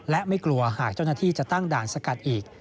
และไม่กลัวหากเจ้าหน้าที่จะตั้งด่านสกัดอีก